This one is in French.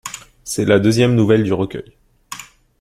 C'est la deuxième nouvelle du recueil.